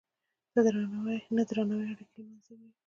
نه درناوی اړیکې له منځه وړي.